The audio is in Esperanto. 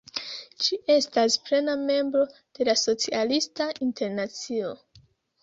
Ĝi estas plena membro de la Socialista Internacio.